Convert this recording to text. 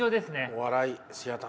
お笑いシアター。